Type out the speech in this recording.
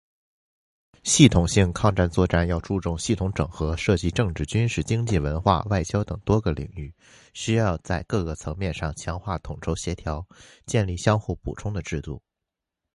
系统性：抵抗作战要注重系统整合，涉及政治、军事、经济、文化、外交等多个领域，需要在各个层面上强化统筹协调，建立相互补充的制度。